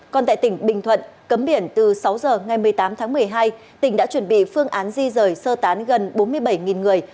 còn tại tỉnh bình thuận cấm biển từ sáu giờ ngày một mươi tám tháng một mươi hai tỉnh đã chuẩn bị phương án di rời sơ tán gần bốn mươi bảy người